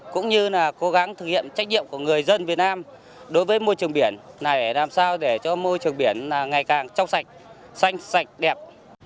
cũng như là cố gắng thực hiện trách nhiệm của người dân việt nam đối với môi trường biển này để làm sao để cho môi trường biển ngày càng trong sạch xanh sạch đẹp